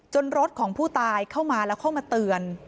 รถของผู้ตายเข้ามาแล้วเข้ามาเตือน